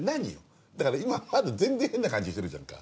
だから今まだ全然変な感じしてるじゃんか。